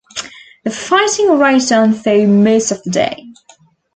The fighting raged on for most of the day.